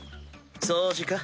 掃除か？